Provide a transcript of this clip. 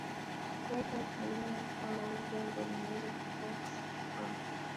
kuweka nyumbani mwao Jambo hili linawezesha kuwepo kwa